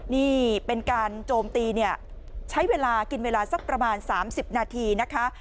นี่เป็นการโจมตีเนี่ยใช้เวลากินเวลาสักประมาณ๓๐นาทีนะคะ